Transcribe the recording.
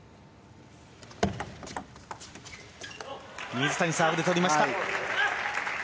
水谷、サーブでとりました。